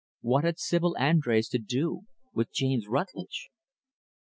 What had Sibyl Andrés to do with James Rutlidge?